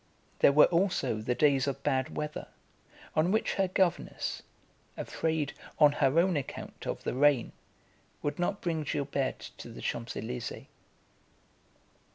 There were also the days of bad weather on which her governess, afraid, on her own account, of the rain, would not bring Gilberte to the Champs Elysées.